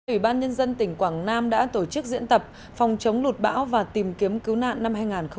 ủy ban nhân dân tỉnh quảng nam đã tổ chức diễn tập phòng chống lụt bão và tìm kiếm cứu nạn năm hai nghìn hai mươi